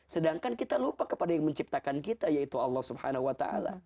sedangkan kita lupa kepada yang menciptakan kita yaitu allah swt